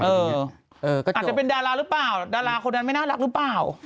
อาจจะเป็นดาราหรือเปล่าดาราคนนั้นไม่น่ารักหรือเปล่า